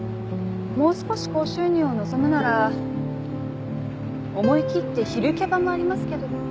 もう少し高収入を望むなら思い切って昼キャバもありますけど。